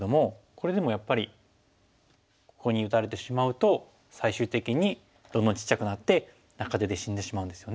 これでもやっぱりここに打たれてしまうと最終的にどんどんちっちゃくなって中手で死んでしまうんですよね。